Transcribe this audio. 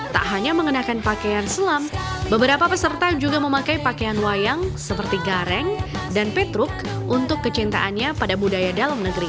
tak hanya mengenakan pakaian selam beberapa peserta juga memakai pakaian wayang seperti gareng dan petruk untuk kecintaannya pada budaya dalam negeri